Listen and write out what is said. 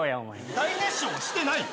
大熱唱はしてないよ。